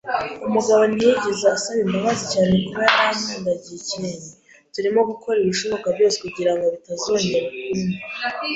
Umugabo ntiyigeze asaba imbabazi cyane kuba yarakandagiye ikirenge. Turimo gukora ibishoboka byose kugirango bitazongera ukundi.